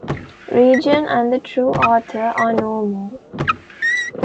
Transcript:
Rigan and the true Arthur are no more.